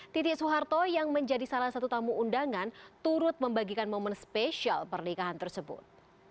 titi soeharto yang menjadi salah satu tamu undangan turut membagikan momen spesial pernikahan tersebut